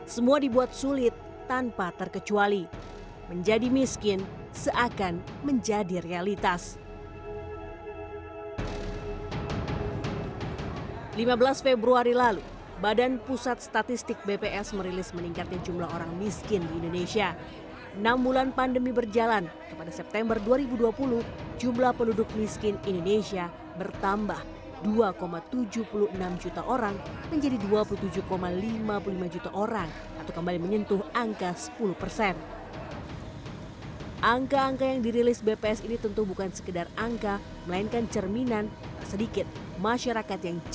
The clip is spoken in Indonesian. lebih lanjut adalah hargo menjelaskan